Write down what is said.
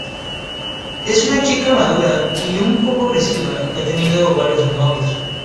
Es una chica madura y un poco agresiva que ha tenido varios novios.